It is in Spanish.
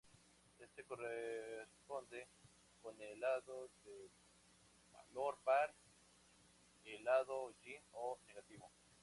Este corresponde con el lado de valor par, el lado yin o negativo.